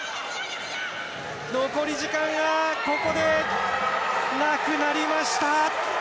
残り時間がここでなくなりました。